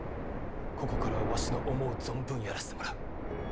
ここからわしの思う存分やらせてもらう。